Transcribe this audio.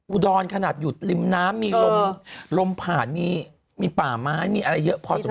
อุดรขนาดอยู่ริมน้ำมีลมผ่านมีป่าไม้มีอะไรเยอะพอสม